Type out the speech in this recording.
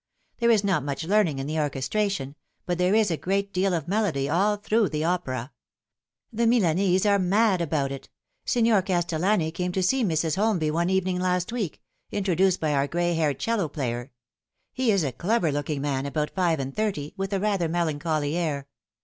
There is not much learning in the orchestration ; but there is a great deal of melody all through the opera. The Milanese are mad about it. Signer Castellani came to see Mrs. Holmby one evening last week, introduced by our gray haired 'cello player. He is a clever looking man, about five and thirty, with a rather melancholy air.